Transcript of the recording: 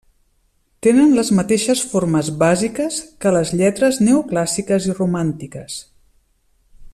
Tenen les mateixes formes bàsiques que les lletres neoclàssiques i romàntiques.